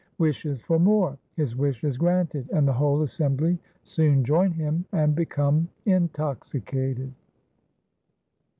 Wishes for more. His wish is granted and the whole assembly soon join him and become intoxicated.